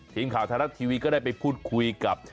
ทีมข่าวไทยรัฐทีวีก็ได้ไปพูดคุยกับ